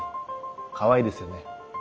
かわいいですよね。